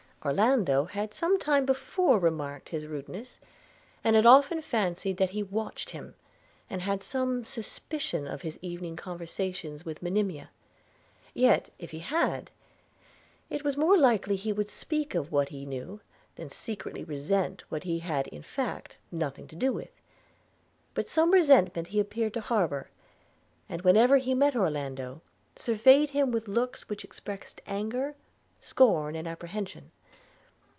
– Orlando had some time before remarked his rudeness, and often fancied that he watched him, and had some suspicion of his evening conversations with Monimia – yet if he had, it was more likely he would speak of what he knew, than secretly resent what he had in fact nothing to do with: but some resentment he appeared to harbour; and, whenever he met Orlando, surveyed him with looks which expressed anger, scorn, and apprehension.